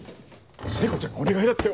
聖子ちゃんがお願いだってよ！